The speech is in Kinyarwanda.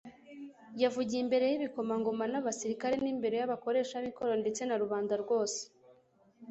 yavugiye imbere y'ibikomangoma n'abasirikari n'imbere y'abakoresha b'ikoro ndetse na rubanda rwose.